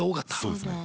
そうですね。